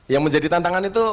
yang menjadi tantangan itu